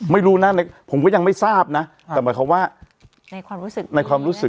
ไม่รู้นะผมก็ยังไม่ทราบนะแต่หมายความว่าในความรู้สึกในความรู้สึก